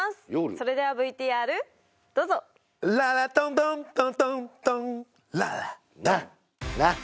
それではＶＴＲどうぞララトントントントントンラララ！